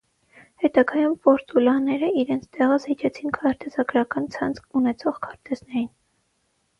Հետագայում պորտուլանները իրենց տեղը զիջեցին քարտեզագրական ցանց ունեցող քարտեզներին։